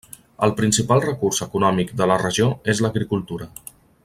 El principal recurs econòmic de la regió és l'agricultura.